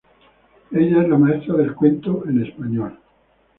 Ella es la maestra del cuento en español.